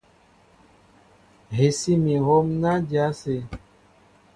Hɛsí mi hǒm ná dya ásé.